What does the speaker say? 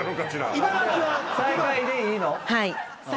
はい。